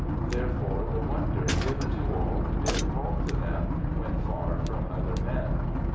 Therefore the wonder given to all who dare call to them when far from other men.